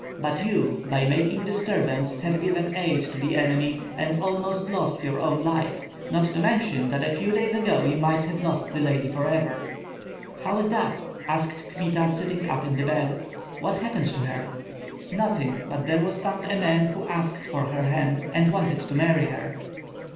But you by making disturbance have given aid to the enemy and almost lost your own life, not to mention that a few days ago you might have lost the lady forever." "How is that?" asked Kmita, sitting up in the bed; "what happened to her?" "Nothing; but there was found a man who asked for her hand and wanted to marry her."